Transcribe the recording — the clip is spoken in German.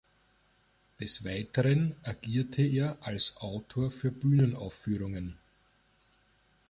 Des Weiteren agierte er als Autor für Bühnenaufführungen.